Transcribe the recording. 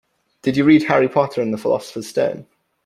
Did you read Harry Potter and the Philosopher's Stone?